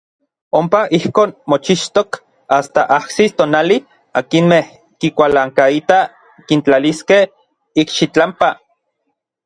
Ompa ijkon mochixtok asta ajsis tonali akinmej kikualankaitaj kintlaliskej ikxitlampa.